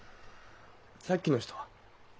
さっきの人は？